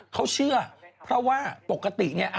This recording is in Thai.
เขาเชื่อเพราะว่าปกติเนี่ย